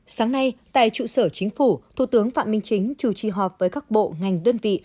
sáng nay tại trụ sở chính phủ thủ tướng phạm minh chính chủ trì họp với các bộ ngành đơn vị